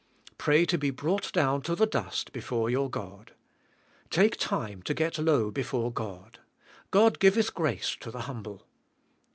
Pray to be brought down to the dust before your God. Take time to get low before God. God giveth grace to the humble.